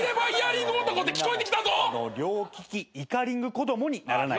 両利きイカリング子供にならないように。